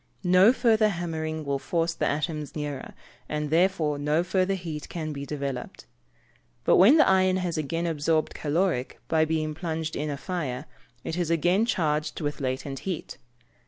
No further hammering will force the atoms nearer, and therefore no further heat can be developed. But when the iron has again absorbed caloric, by being plunged in a fire, it is again charged with latent heat.